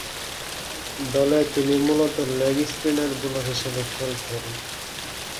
দলে তিনি মূলতঃ লেগ স্পিন বোলার হিসেবে খেলতেন।